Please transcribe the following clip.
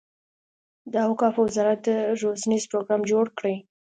د اوقافو وزارت روزنیز پروګرام جوړ کړي.